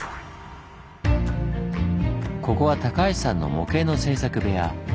ここは高橋さんの模型の製作部屋。